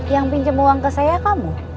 yang pinjam uang ke saya kamu